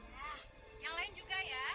nah yang lain juga ya